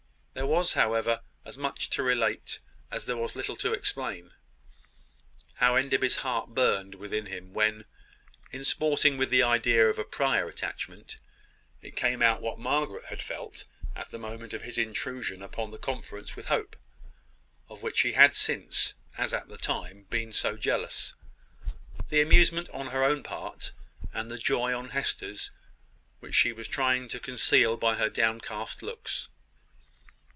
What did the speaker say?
There was, however, as much to relate as there was little to explain. How Enderby's heart burned within him, when, in sporting with the idea of a prior attachment, it came out what Margaret had felt at the moment of his intrusion upon the conference with Hope, of which he had since, as at the time, been so jealous! the amusement on her own part, and the joy on Hester's, which she was trying to conceal by her downcast looks!